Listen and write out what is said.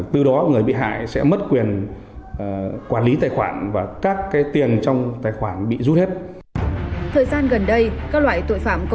từ đó người bị hại sẽ mất quyền quản lý tài khoản và các tiền trong tài khoản bị rút hết